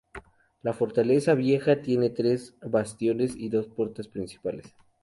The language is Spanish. La fortaleza vieja tiene tres bastiones y dos puertas principales.